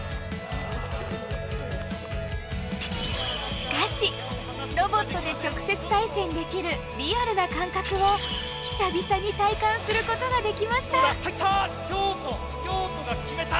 しかしロボットで直接対戦できるリアルな感覚を久々に体感することができました。